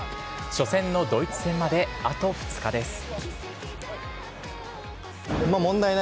初戦のドイツ戦まであと２日です。